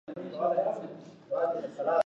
ماشوم باید پوه شي چې ستونزه لنډمهاله ده.